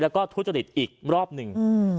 แล้วก็ทุจริตอีกรอบหนึ่ง